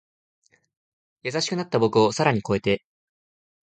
優しくなった僕を更に越えて